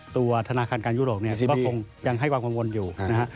ตัวธนาคารการยุโรปเนี่ยก็คงยังให้ความกังวลอยู่นะฮะ